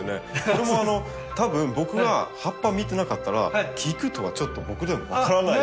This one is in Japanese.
これも多分僕は葉っぱ見てなかったら菊とはちょっと僕でも分からない。